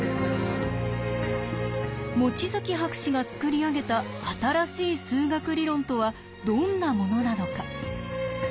望月博士がつくり上げた新しい数学理論とはどんなものなのか。